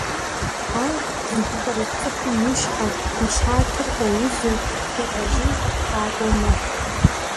Ар зыпкъырыт цӀыхум и щхьэр, и лъатэр къеузу, и къэжьын къакӀуэу мэхъу.